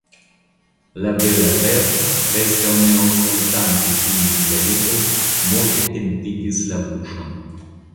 La bela Berta, preskaŭ ne aŭskultante tiujn klarigojn, moke pintigis la buŝon.